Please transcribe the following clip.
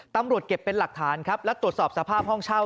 ตำรวจเก็บเป็นหลักฐานครับและตรวจสอบสภาพห้องเช่า